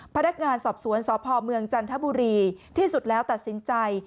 พนักงานสอบสวนสพเมืองจันทบุรีที่สุดแล้วตัดสินใจ